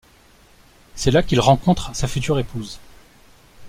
C'est là qu'il rencontre sa future épouse.